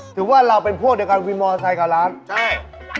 ถือว่าเราเป็นพวกเดียวกันวินมอเตอร์ไซค์กับร้านใช่